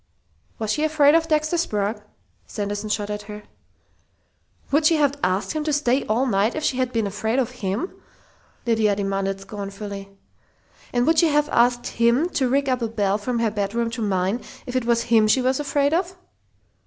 "Was she afraid of Dexter Sprague?" Sanderson shot at her. "Would she have asked him to stay all night if she'd been afraid of him?" Lydia demanded scornfully. "And would she have asked him to rig up a bell from her bedroom to mine, if it was him she was afraid of?"